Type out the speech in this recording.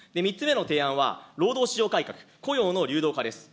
３つ目の提案は労働市場改革、雇用の流動化です。